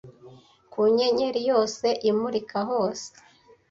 ku nyenyeri yose imurika hose